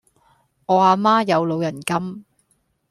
我阿媽有老人金